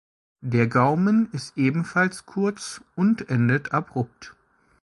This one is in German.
Der Gaumen ist ebenfalls kurz und endet abrupt.